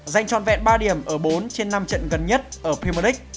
giành tròn vẹn ba điểm ở bốn trên năm trận gần nhất ở pimelix